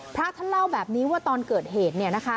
พระท่านเล่าแบบนี้ว่าตอนเกิดเหตุเนี่ยนะคะ